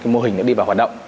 mô hình đã đi vào hoạt động